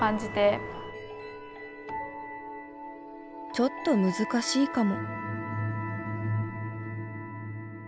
ちょっと難しいかも。